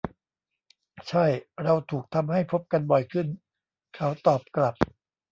ใช่ เราถูกทำให้พบกันบ่อยขึ้น เขาตอบกลับ